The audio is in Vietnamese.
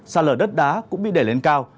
xa lở đất đá cũng bị để lên cao